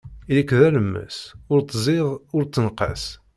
Ili-k d alemmas, ur ttzid, ur ttenqas.